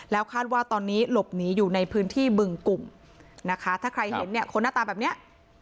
แล้วคาดว่าตอนนี้หลบหนีอยู่ในพื้นที่บึงกลุ่มนะคะถ้าใครเห็นเนี่ยคนหน้าตาแบบนี้